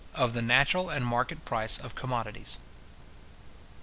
OF THE NATURAL AND MARKET PRICE OF COMMODITIES.